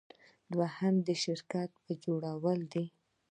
دوهم د خپل شرکت جوړول دي.